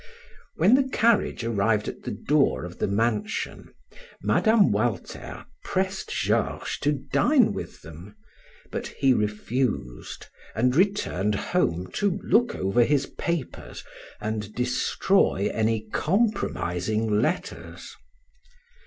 When the carriage arrived at the door of the mansion, Mme. Walter pressed Georges to dine with them, but he refused, and returned home to look over his papers and destroy any compromising letters.